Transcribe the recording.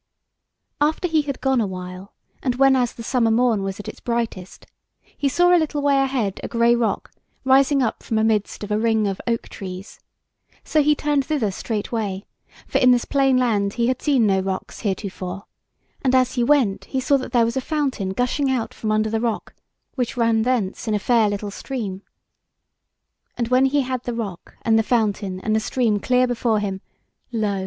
After he had gone a while and whenas the summer morn was at its brightest, he saw a little way ahead a grey rock rising up from amidst of a ring of oak trees; so he turned thither straightway; for in this plain land he had seen no rocks heretofore; and as he went he saw that there was a fountain gushing out from under the rock, which ran thence in a fair little stream. And when he had the rock and the fountain and the stream clear before him, lo!